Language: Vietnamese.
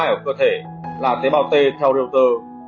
ở cơ thể là tế bào t theo reuters